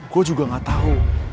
gue juga gak tahu